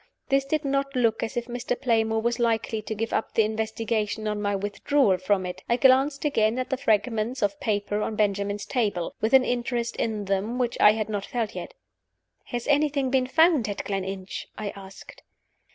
This did not look as if Mr. Playmore was likely to give up the investigation on my withdrawal from it. I glanced again at the fragments of paper on Benjamin's table, with an interest in them which I had not felt yet. "Has anything been found at Gleninch?" I asked.